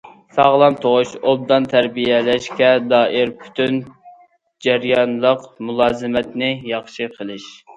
ساغلام تۇغۇش، ئوبدان تەربىيەلەشكە دائىر پۈتۈن جەريانلىق مۇلازىمەتنى ياخشى قىلىش.